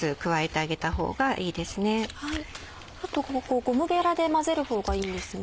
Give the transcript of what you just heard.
あとゴムべらで混ぜるほうがいいんですね？